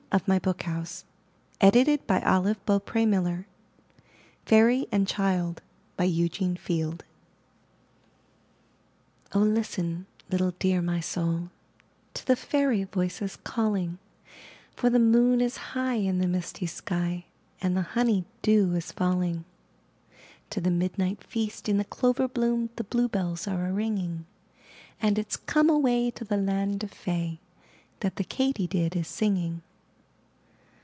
Good by. Your affectionate Pussy. MY BOOK HOUSE FAIRY AND CHILD Eugene Field Oh, listen, little Dear My Soul, To the fairy voices calling, For the moon is high in the misty sky And the honey dew is falling; To the midnight feast in the clover bloom The bluebells are a ringing. And it's *'Come away to the land of fay," That the katydid is singing.